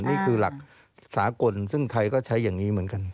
นี่คือหลักสากลซึ่งไทยก็ใช้อย่างนี้เหมือนกัน